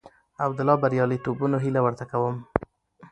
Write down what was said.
او د لا برياليتوبونو هيله ورته کوم.